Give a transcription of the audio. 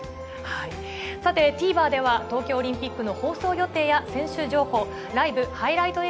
さて、ＴＶｅｒでは、東京オリンピックの放送や、選手情報、ライブ、ハイライト映